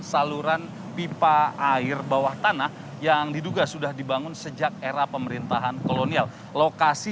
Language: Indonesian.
saluran pipa air bawah tanah yang diduga sudah dibangun sejak era pemerintahan kolonial lokasi